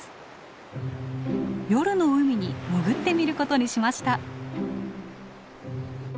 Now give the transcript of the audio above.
夜の海に潜ってみることにしました。